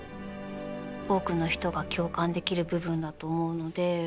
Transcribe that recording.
多くの人が共感できる部分だと思うので。